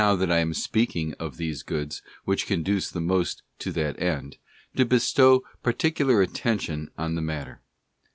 that I am speaking of these goods which conduce the most to that end, to bestow particular attention on the matter.